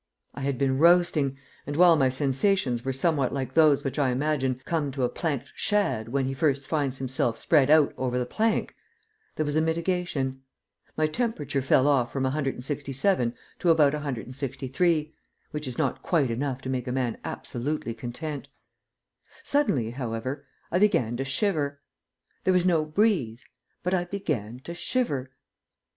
I had been roasting, and while my sensations were somewhat like those which I imagine come to a planked shad when he first finds himself spread out over the plank, there was a mitigation. My temperature fell off from 167 to about 163, which is not quite enough to make a man absolutely content. Suddenly, however, I began to shiver. There was no breeze, but I began to shiver.